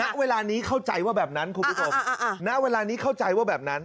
ณเวลานี้เข้าใจว่าแบบนั้นคุณผู้ชม